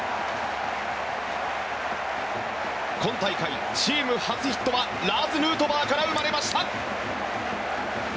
今大会、チーム初ヒットはラーズ・ヌートバーから生まれました！